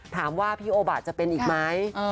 ถามว่าพี่โอบะจะเป็นอีกไหม